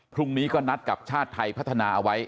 พรุ่งนี้ก็นัดกับชาติไทยพัฒนาเอาไว้